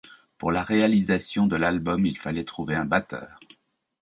Pour la réalisation de l'album, il fallait trouver un batteur.